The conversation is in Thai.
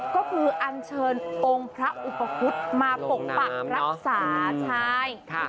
ก็คืออัญเชิญองค์พระอุปกรุษมาปกปะรักษาใช่ค่ะ